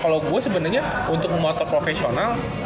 kalo gua sebenernya untuk motor profesional